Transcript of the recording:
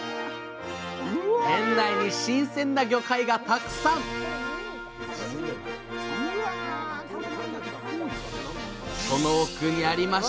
店内に新鮮な魚介がたくさんその奥にありました！